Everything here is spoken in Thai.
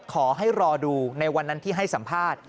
ขอให้รอดูในวันนั้นที่ให้สัมภาษณ์